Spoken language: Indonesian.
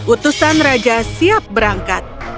utusan raja siap berangkat